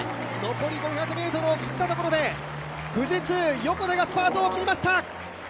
残り５００ｍを切ったところで、富士通・横手がスパートを切りました。